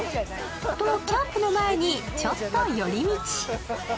と、キャンプの前にちょっと寄り道。